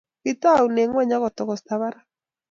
Kitaune ngony ako togosta parak